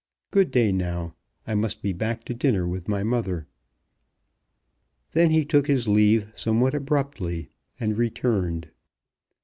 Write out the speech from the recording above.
Good day now. I must be back to dinner with my mother." Then he took his leave somewhat abruptly, and returned.